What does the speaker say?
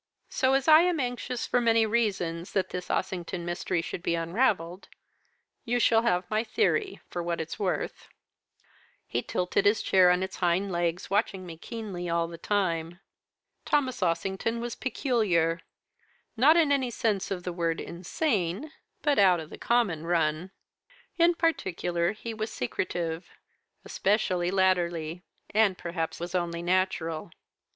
So as I am anxious, for many reasons, that this Ossington mystery should be unravelled, you shall have my theory for what it's worth.' "'He tilted his chair on to its hind legs, watching me keenly all the time. "'Thomas Ossington was peculiar not, in any sense of the word, insane, but out of the common run. In particular he was secretive, especially latterly, as perhaps was only natural.